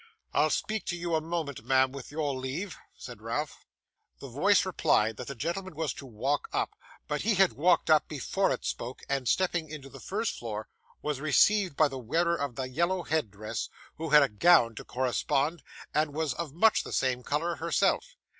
'I'll speak to you a moment, ma'am, with your leave,' said Ralph. The voice replied that the gentleman was to walk up; but he had walked up before it spoke, and stepping into the first floor, was received by the wearer of the yellow head dress, who had a gown to correspond, and was of much the same colour herself.